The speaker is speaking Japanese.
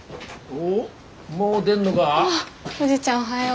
おはよう。